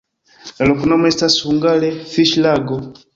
La loknomo estas hungare: fiŝlago.